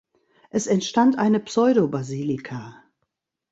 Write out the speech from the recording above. Es entstand eine Pseudobasilika.